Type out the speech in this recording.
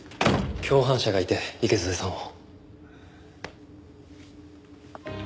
共犯者がいて池添さんを。